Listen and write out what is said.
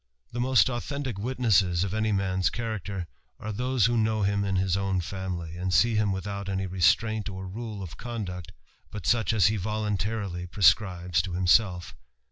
The most authentick witnesses of any man's character are those who know him in his own family, and see him without any restraint or rule of conduct, but such as he voluntarily prescribes to himself.